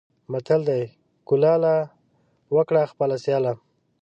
متل دی: کلاله! وکړه خپله سیاله.